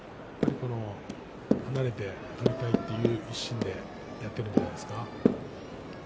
離れて取りたいという一心でやっているのではないでしょうか。